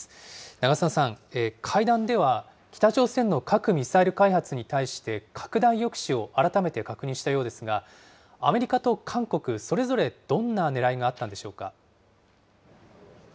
長砂さん、会談では北朝鮮の核・ミサイル開発に対して、拡大抑止を改めて確認したようですが、アメリカと韓国、それぞれどんなねらいがあったんでしょうか。